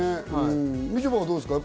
みちょぱは、どうですか？